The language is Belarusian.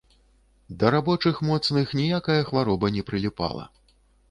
Да рабочых моцных ніякая хвароба не прыліпала.